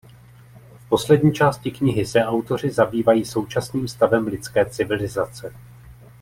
V poslední části knihy se autoři zabývají současným stavem lidské civilizace.